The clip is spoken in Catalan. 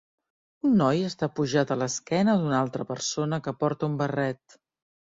Un noi està pujat a l'esquena d'una altra persona que porta un barret.